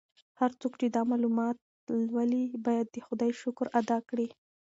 هر څوک چې دا معلومات لولي باید د خدای شکر ادا کړي.